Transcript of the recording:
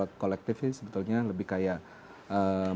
jadi kalau kolektifnya sebetulnya lalu ada yang berkumpul